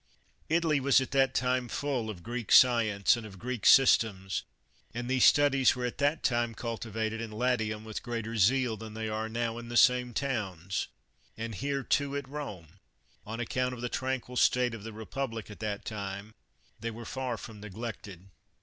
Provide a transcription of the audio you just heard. Italy was at that time full of Greek science and of Greek systems, and these studies were at that time culti vated in Latium with greater zeal than they now are in the same towns ; and here, too, at Rome, on account of the tranquil state of the republic at that time, they were far from neglected.